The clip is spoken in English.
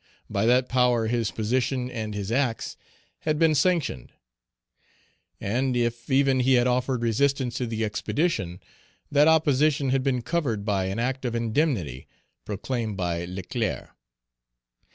By that power his position and his acts had been sanctioned. And if even he had offered resistance to the expedition, that opposition had been covered by an act of indemnity proclaimed by Leclerc.